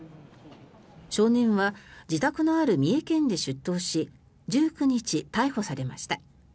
少年は自宅のある三重県で出頭し１９日、逮捕されました。